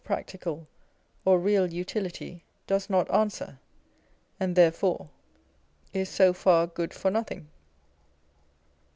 practical or real Utility docs not answer, and therefore is «o far good for nothing.